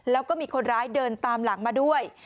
แล้วก็มีคนร้ายเดินตามหลังมาด้วย